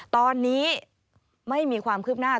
ตอนนี้ไม่มีความคืบหน้า